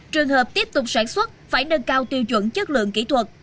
trường hợp tiếp tục sản xuất phải nâng cao tiêu chuẩn chất lượng kỹ thuật